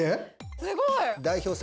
すごい。